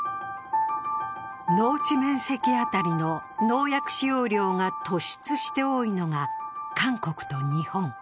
農地面積当たりの農薬使用量が突出して多いのが韓国と日本。